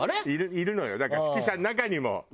いるのよだから指揮者の中にも。